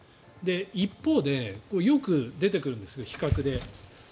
一方で、よく出てくるんですけど比較で。